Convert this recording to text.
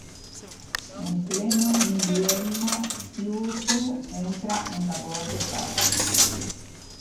En pleno invierno, Qiu Ju entra en labor de parto.